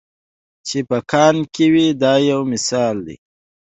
چې په کان کې وي دا یو مثال دی.